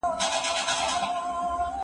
دا کتابونه له هغو مهم دي